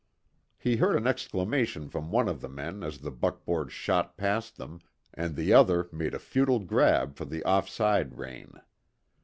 He heard an exclamation from one of the men as the buckboard shot past them, and the other made a futile grab for the off side rein.